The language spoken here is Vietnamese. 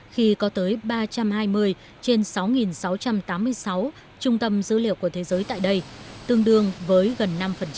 khi có tới ba trăm hai mươi trên sáu sáu trăm tám mươi sáu trung tâm dữ liệu của thế giới tại đây tương đương với gần năm